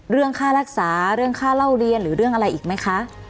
เรื่องค่ารักษาเรื่องค่าเล่าเรียนหรือเรื่องอะไรอีกไหมคะ